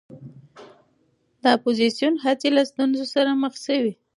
د اپوزېسیون هڅې له ستونزو سره مخ شوې.